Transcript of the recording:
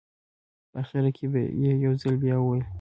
په اخره کې یې یو ځل بیا وویل.